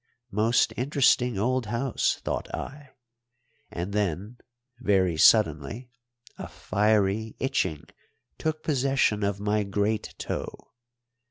Most interesting old house, thought I; and then very suddenly a fiery itching took possession of my great toe.